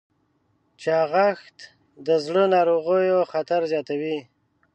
چاغښت د زړه ناروغیو خطر زیاتوي.